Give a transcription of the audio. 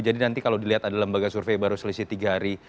jadi nanti kalau dilihat ada lembaga survei baru selisih tiga hari